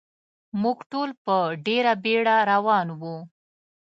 موږ ټول په ډېره بېړه روان و.